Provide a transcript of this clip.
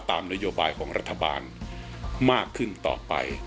นโยบายของรัฐบาลมากขึ้นต่อไป